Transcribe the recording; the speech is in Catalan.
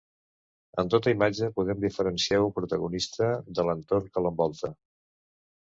En tota imatge, podem diferenciar un protagonista de l'entorn que l'envolta.